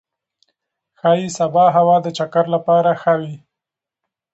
ښايي سبا هوا د چکر لپاره ښه وي.